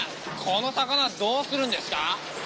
この魚どうするんですか？